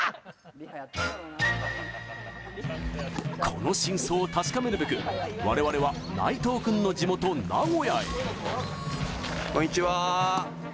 この真相を確かめるべく我々は内藤君の地元・名古屋へ。